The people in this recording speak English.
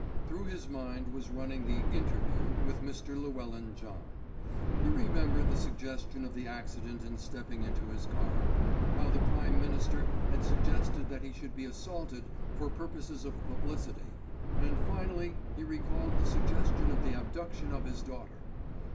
Through his mind was running the "interview" with Mr. Llewellyn John. He remembered the suggestion of the accident in stepping into his car, how the Prime Minister had suggested that he should be assaulted for purposes of publicity, and finally he recalled the suggestion of the abduction of his daughter.